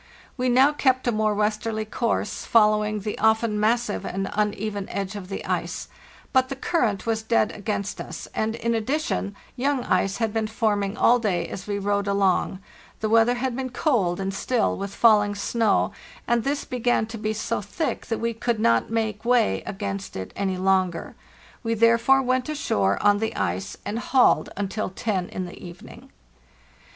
We now kept a more westerly course, following the often massive and uneven edge of the ice; but the current was dead against us, and, in addition, young ice had been forming all day as we rowed along; the weather had been cold and still, with falling snow, and this began to be so thick that we could not make way against it any longer. We therefore went ashore on the ice, and hauled until ten in the evening.